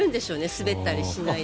滑ったりしないで。